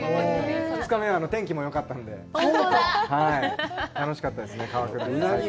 ２日目は天気もよかったので、楽しかったですね、川下り。